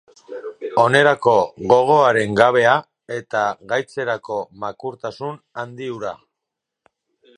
Onerako gogoaren gabea eta gaitzerako makurtasun handi hura.